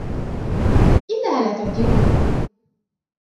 إنها لا تعجبني.